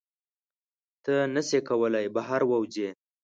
ته نشې کولی بهر ووځې.